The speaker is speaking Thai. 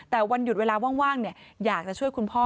แต่วันหยุดเวลาว่างอยากจะช่วยคุณพ่อ